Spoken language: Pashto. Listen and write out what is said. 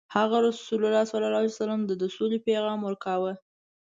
هغه ﷺ د سولې پیغام ورکاوه.